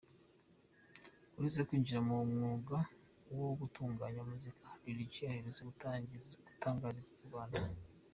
Uretse kwinjira mu mwuga wo gutunganya muzika, Lil G aherutse gutangariza inyarwanda.